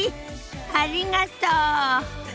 ありがとう。